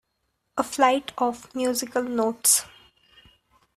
A flight of musical notes.